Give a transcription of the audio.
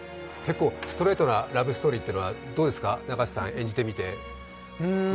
ストレートなラブストーリーというのはどうですか、演じてみて。